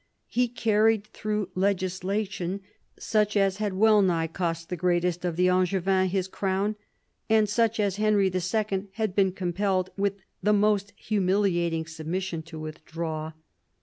He carried through legislation, such as had well nigh cost the greatest of the Angevins his crown, and such as Henry II. had been compelled with the most humiliating submission to withdraw.